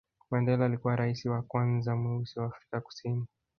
mandela alikuwa raisi wa kwanza mweusi wa afrika kusini